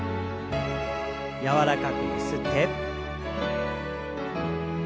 柔らかくゆすって。